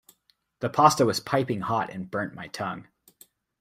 The pasta was piping hot and burnt my tongue.